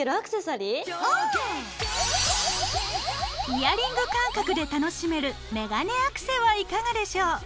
イヤリング感覚で楽しめるメガネアクセはいかがでしょう？